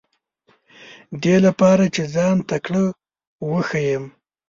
دې لپاره چې ځان تکړه وښیم.